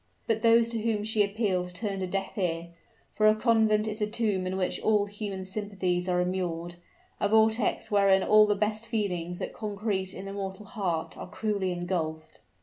But those to whom she appealed turned a deaf ear; for a convent is a tomb in which all human sympathies are immured a vortex wherein all the best feelings that concrete in the mortal heart are cruelly engulfed!